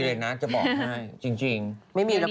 หรือว่าทุกคนก่อนไปทำงาน